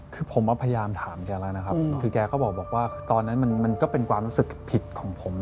คือผมพยายามถามแกแล้วนะครับคือแกก็บอกว่าตอนนั้นมันก็เป็นความรู้สึกผิดของผม